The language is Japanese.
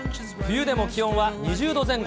冬でも気温は２０度前後。